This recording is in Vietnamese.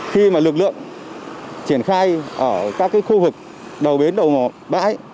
khi mà lực lượng triển khai ở các khu vực đầu bến đầu bãi